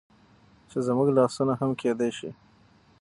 چې زموږ لاسونه هم کيدى شي